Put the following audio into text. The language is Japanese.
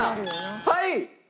はい！